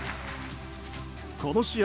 この試合